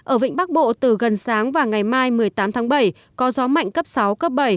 ở vịnh bắc bộ từ gần sáng và ngày mai một mươi tám tháng bảy có gió mạnh cấp sáu cấp bảy